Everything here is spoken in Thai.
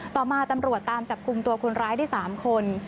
ต่อมาตำรวจตามจับกลุ่มตัวคนร้ายได้๓คน